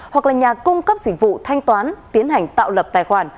hoặc là nhà cung cấp dịch vụ thanh toán tiến hành tạo lập tài khoản